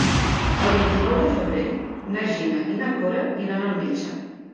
El vint-i-nou de febrer na Gina i na Cora iran al metge.